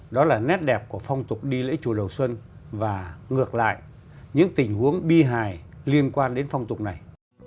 đó là nét đẹp của phong tục đi lễ chùa đầu xuân và ngược lại những tình huống bi hài liên quan đến phong tục này